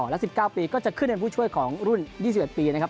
และ๑๙ปีก็จะขึ้นเป็นผู้ช่วยของรุ่น๒๑ปีนะครับ